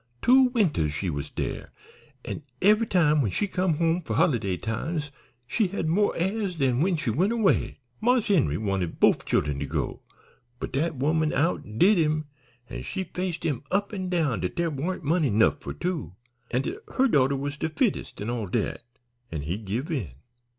Two winters she was dere, an' eve'y time when she come home for holiday times she had mo' airs dan when she went away. Marse Henry wanted bofe chillen to go, but dat woman outdid him, an' she faced him up an' down dat dere warn't money 'nough for two, an' dat her daughter was de fittenest, an' all dat, an' he give in.